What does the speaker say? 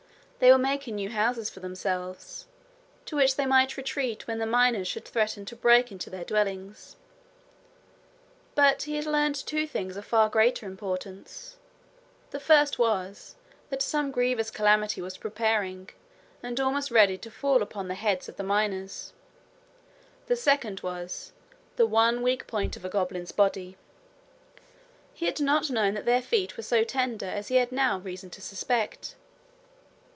They were making new houses for themselves, to which they might retreat when the miners should threaten to break into their dwellings. But he had learned two things of far greater importance. The first was, that some grievous calamity was preparing, and almost ready to fall upon the heads of the miners; the second was the one weak point of a goblin's body; he had not known that their feet were so tender as he had now reason to suspect.